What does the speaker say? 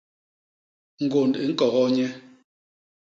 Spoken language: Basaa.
Ñgônd i ñkogoo nye.